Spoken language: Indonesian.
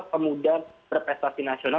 pemuda berprestasi nasional